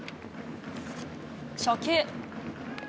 初球。